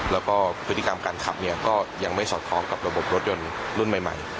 แล้วก็พฤติกรรมการขับก็ยังไม่สอดคล้องกับระบบรถยนต์รุ่นใหม่